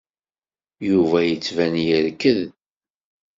Yuba yettban yerked.